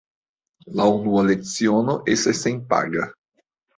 La unua leciono estas senpaga.